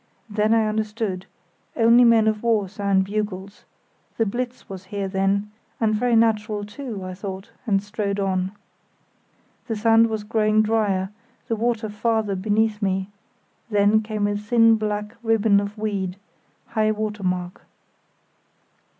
Then I understood—only men of war sound bugles—the Blitz was here then; and very natural, too, I thought, and strode on. The sand was growing drier, the water farther beneath me; then came a thin black ribbon of weed—high water mark.